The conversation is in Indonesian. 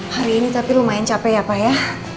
hari ini tapi lumayan capek ya pak ya